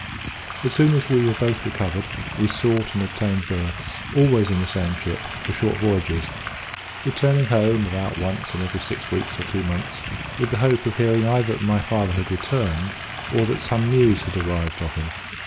As soon as we were both recovered, we sought and obtained berths, always in the same ship, for short voyages; returning home about once in every six weeks or two months, with the hope of hearing either that my father had returned, or that some news had arrived of him.